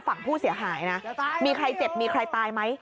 ฝั่งผู้เสียหายนะมีใครเจ็บมีใครตายไหม